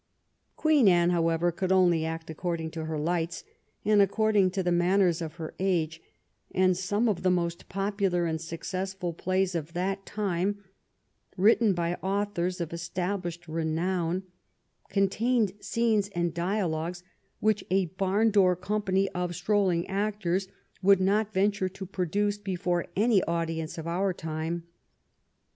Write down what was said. Queen Anne, however, could only act according to her lights, and according to the manners of her age; and some of the most popular and successful plays of that time, written by authors of established renown, contained scenes and dialogues which a barn door com pany of strolling actors would not venture to produce before any audience of our time.